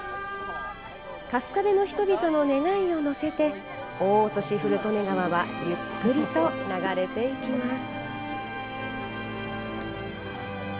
春日部の人々の願いを載せて、大落古利根川はゆっくりと流れていきます。